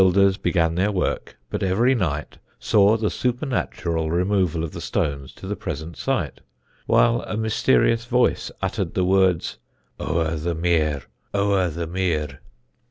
The builders began their work, but every night saw the supernatural removal of the stones to the present site, while a mysterious voice uttered the words "O'er the mere! O'er the mere!"